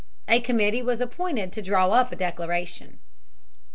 A committee was appointed to draw up a declaration.